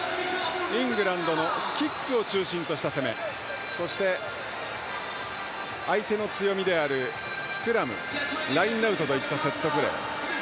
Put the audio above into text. イングランドのキックを中心とした攻めそして相手の強みであるスクラム、ラインアウトといったセットプレー。